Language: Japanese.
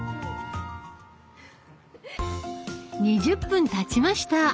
２０分たちました。